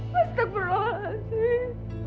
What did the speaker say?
mas tak perlu ngasih